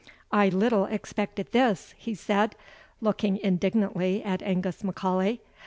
"I little expected this," he said, looking indignantly at Angus M'Aulay.